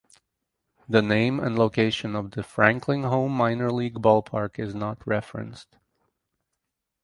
The name and location of the Franklin home minor league ballpark is not referenced.